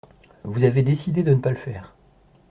Vous avez décidé de ne pas le faire.